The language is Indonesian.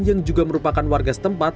yang juga merupakan warga setempat